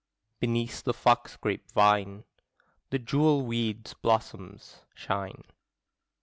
Beneath the fox grape vine, The jewel weed's blossoms shine.